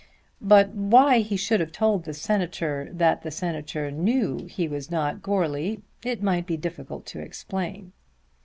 But why he should have told the Senator that the Senator knew he was not Goarly it might be difficult to explain.